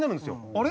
「あれ？」